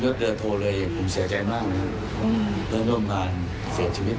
เลือดเดือดโทรเลยผมเสียใจมากเลยเพื่อนร่วมการเสียชีวิต